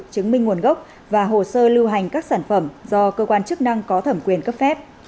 chứng minh nguồn gốc và hồ sơ lưu hành các sản phẩm do cơ quan chức năng có thẩm quyền cấp phép